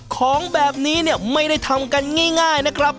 ของแบบนี้เนี่ยไม่ได้ทำกันง่ายนะครับ